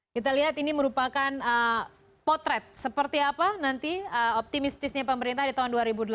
kita lihat ini merupakan potret seperti apa nanti optimistisnya pemerintah di tahun dua ribu delapan belas